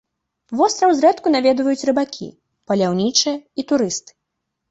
Востраў зрэдку наведваюць рыбакі, паляўнічыя і турысты.